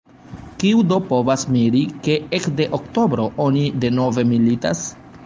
Kiu do povas miri, ke ekde oktobro oni denove militas?